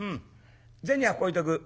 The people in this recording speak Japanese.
銭はここ置いとく。